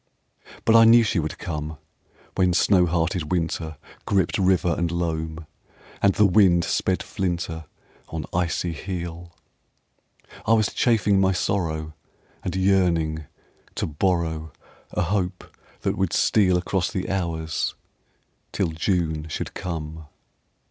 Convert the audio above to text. But I knew she would come When snow hearted winter Gripped river and loam, And the wind sped flinter On icy heel, I was chafing my sorrow And yearning to borrow A hope that would steal Across the hours till June should come.